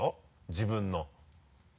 自分の。